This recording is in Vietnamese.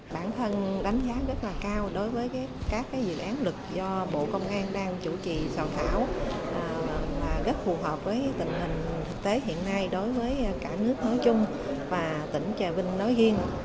bản thân đánh giá rất là cao đối với các dự án lực do bộ công an đang chủ trì soạn thảo rất phù hợp với tình hình thực tế hiện nay đối với cả nước nói chung và tỉnh trà vinh nói riêng